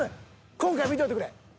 今回見といてくれ。